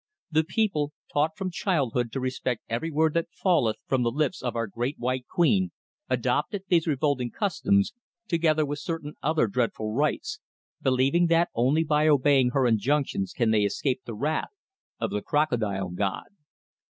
"The people, taught from childhood to respect every word that falleth from the lips of our Great White Queen, adopted these revolting customs, together with certain other dreadful rites, believing that only by obeying her injunctions can they escape the wrath of the Crocodile god.